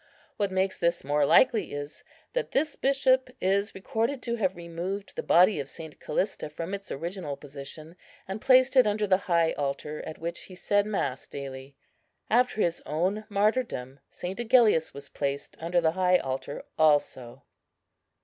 What makes this more likely is, that this bishop is recorded to have removed the body of St. Callista from its original position, and placed it under the high altar, at which he said mass daily. After his own martyrdom, St. Agellius was placed under the high altar also.